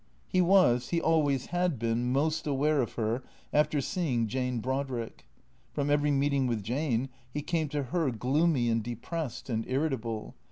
He was, he always had been, most aware of her after seeing Jane Brodrick. From every meeting with Jane he came to her gloomy and depressed and irritable.